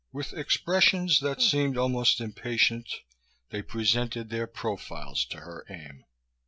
With expressions that seemed almost impatient they presented their profiles to her aim.